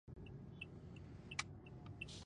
پېړۍ او زمان پکې خوندي دي په پښتو ژبه.